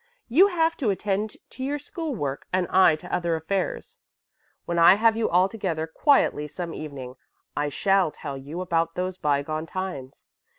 "You have to attend to your school work and I to other affairs. When I have you all together quietly some evening I shall tell you about those bygone times.